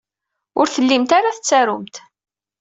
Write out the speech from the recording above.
Ur tellimt ara tettarumt.